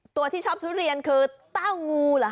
ตัวที่ชอบทุเรียนคือเต้างูหรอครับ